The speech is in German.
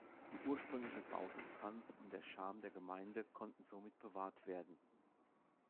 Die ursprüngliche Bausubstanz und der Charme der Gemeinde konnten somit bewahrt werden.